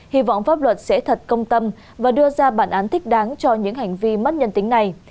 hy vọng pháp luật sẽ thật công tâm và đưa ra bản án thích đáng cho những hành vi mất nhân tính này